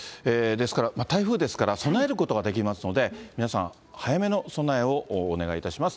ですから、台風ですから、備えることができますので、皆さん、早めの備えをお願いいたします。